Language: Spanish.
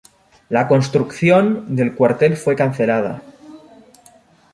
La construcción del cuartel fue cancelada.